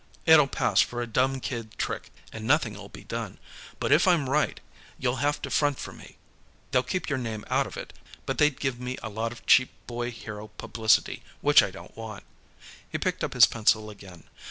It'll pass for a dumb kid trick, and nothing'll be done. But if I'm right, you'll have to front for me. They'll keep your name out of it, but they'd give me a lot of cheap boy hero publicity, which I don't want." He picked up his pencil again.